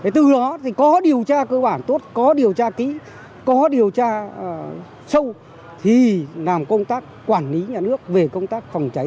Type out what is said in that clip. từ đó có điều tra cơ bản tốt có điều tra kỹ có điều tra sâu thì làm công tác quản lý nhà nước về công tác phòng cháy